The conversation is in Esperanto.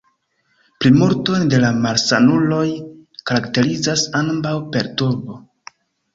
Plimulton de la malsanuloj karakterizas ambaŭ perturbo.